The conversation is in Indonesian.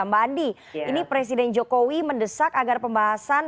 mbak andi ini presiden jokowi mendesak agar pembahasan